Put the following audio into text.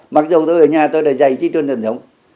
mặc dù tôi ở nhà tôi đã dạy trí tuân thần giống